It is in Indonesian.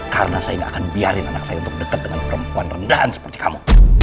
karena saya gak akan biarin anak saya untuk deket dengan perempuan rendahan seperti kamu